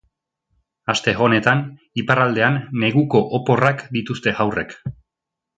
Aste honetan iparraldean neguko oporrak dituzte haurrek.